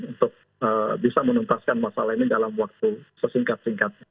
untuk bisa menuntaskan masalah ini dalam waktu sesingkat singkat